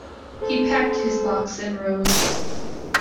He packed his box and rose.